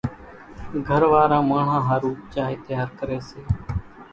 گھر واران ماڻۿان ۿارُو چائيَ تيار ڪريَ سي۔